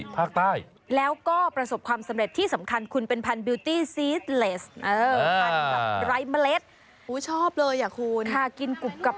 ปลากินกลับกลับกลับกลับไม่ต้องค่ายจริง